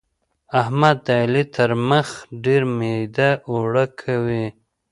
احمد د علي تر مخ ډېر ميده اوړه کوي.